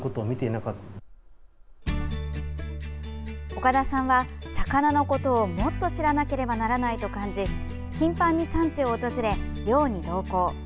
岡田さんは魚のことをもっと知らなければならないと感じ頻繁に産地を訪れ、漁に同行。